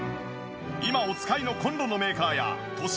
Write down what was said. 今お使いのコンロのメーカーや都市